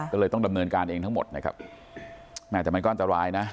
ก็เลยต้องดำเนินการเองทั้งหมดนะครับแม่แต่มันก็อันตรายนะ